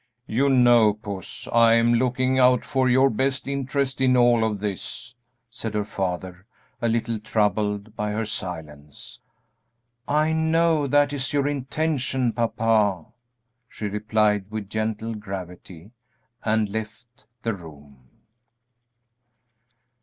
"You know, Puss, I am looking out for your best interests in all of this," said her father, a little troubled by her silence. "I know that is your intention, papa," she replied, with gentle gravity, and left the room.